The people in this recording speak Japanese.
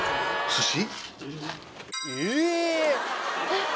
寿司？